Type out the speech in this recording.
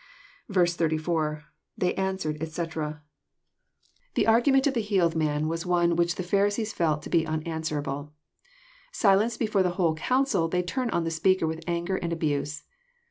84. — [They answered, etc,"} The argument of the healed man was JOHN, CHAP. IX. 167 one which the Pharisees felt to be unanswerable. Silenced before the whole council they turn on the speaker with anger and abuse.